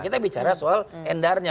kita bicara soal endarnya